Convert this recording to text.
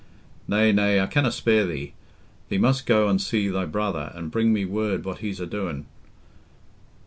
"Nay, nay, I canna spare thee. Thee must go an' see thy brother, an' bring me word what he's a doin'.